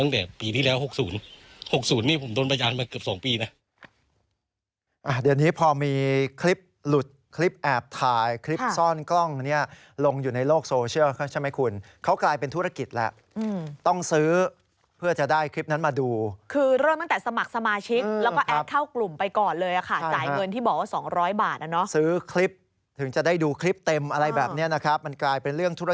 เดี๋ยวนี้พอมีคลิปหลุดคลิปแอบถ่ายคลิปซ่อนกล้องเนี่ยลงอยู่ในโลกโซเชียลใช่ไหมคุณเขากลายเป็นธุรกิจแล้วต้องซื้อเพื่อจะได้คลิปนั้นมาดูคือเริ่มตั้งแต่สมัครสมาชิกแล้วก็แอดเข้ากลุ่มไปก่อนเลยค่ะจ่ายเงินที่บอกว่า๒๐๐บาทนะซื้อคลิปถึงจะได้ดูคลิปเต็มอะไรแบบนี้นะครับมันกลายเป็นเรื่องธุร